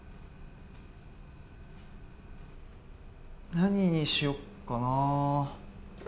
何にしよっかな。